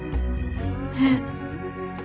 えっ？